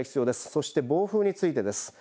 そして暴風についてです。